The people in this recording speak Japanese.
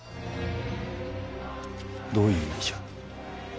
どういう意味じゃ。